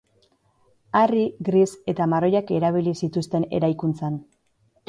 Harri gris eta marroiak erabili zituzten eraikuntzan.